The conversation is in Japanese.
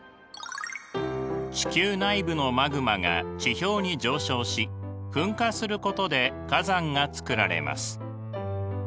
地球内部のマグマが地表に上昇し噴火することで火山がつくられます。